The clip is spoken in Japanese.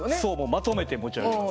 まとめて持ち上げます。